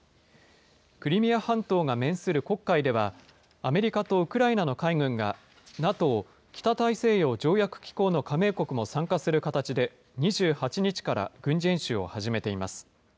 クリミア半島が面する黒海では、アメリカとウクライナの海軍が、ＮＡＴＯ・北大西洋条約機構の加盟国も参加する形で、２８日から軍事演習を始めています。